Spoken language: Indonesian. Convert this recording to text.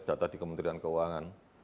data di kementerian keuangan